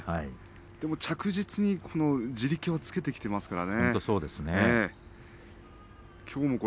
でも着実に地力はつけてきていますから。